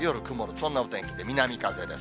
そんなお天気で、南風です。